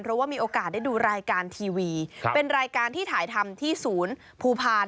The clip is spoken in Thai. เพราะว่ามีโอกาสได้ดูรายการทีวีเป็นรายการที่ถ่ายทำที่ศูนย์ภูพาล